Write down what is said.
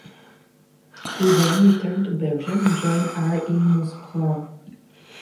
He then returned to Belgium and joined R.E. Mouscron.